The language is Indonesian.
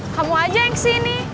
kamu aja yang kesini